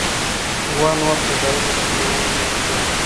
اووه نور فضايي جسمونه هم وموندل شول.